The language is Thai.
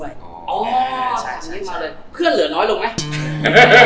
เหมือนการราชินิงมาเลยเพื่อนเหลือน้อยลงไหม